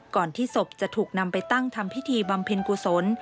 ที่ศพจะถูกนำไปตั้งทำพิธีบำเพ็ญกุศล